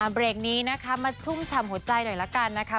เบรกนี้นะคะมาชุ่มฉ่ำหัวใจหน่อยละกันนะคะ